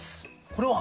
これは？